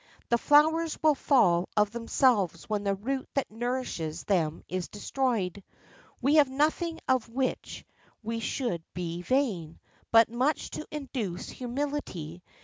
The flowers will fall of themselves when the root that nourishes them is destroyed. We have nothing of which we should be vain, but much to induce humility.